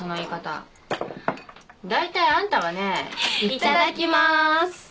いただきまーす！